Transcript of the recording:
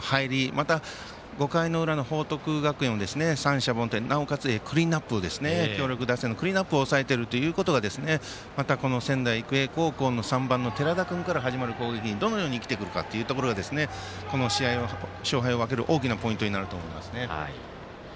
また、５回の裏の報徳学園を三者凡退、なおかつ強力打線のクリーンアップを抑えているということがまた、仙台育英高校の３番の寺田君から始まる攻撃にどのように生きてくるかというところをこの試合の勝敗を分ける大きなポイントになると思います。